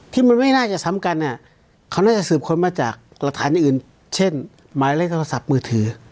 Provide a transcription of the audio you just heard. ที่มันไม่น่าจะซ้ำกันเขาน่าจะสืบค้นมาจากหลักฐานอื่นเช่นหมายเลขโทรศัพท์มือถือ